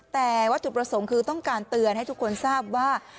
แต่วัตถุประสงค์คือต้องการเตือนให้ทุกคนทราบว่า